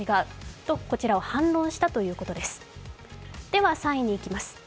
では、３位にいきます。